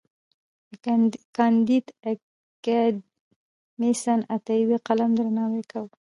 کانديد اکاډميسن عطايي د قلم درناوی کاوه.